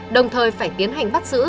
đồng thời phải tiến hành bắt giữ